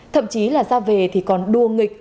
thậm chí là ra về thì còn đua nghịch